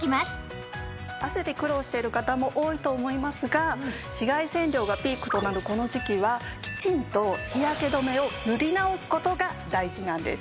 汗で苦労している方も多いと思いますが紫外線量がピークとなるこの時期はきちんと日焼け止めを塗り直す事が大事なんです。